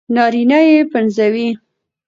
نارينه يې پنځوي